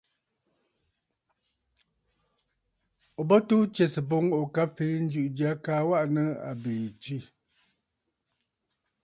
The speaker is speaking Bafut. Ò bə tuu tsɛ̀sə̀ boŋ ò ka fèe njɨ̀ʼɨ̀ jya kaa waʼà nɨ̂ àbìì tswə̂.